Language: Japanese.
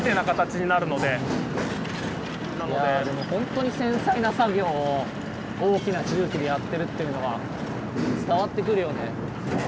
いやでもほんとに繊細な作業を大きな重機でやってるっていうのが伝わってくるよね。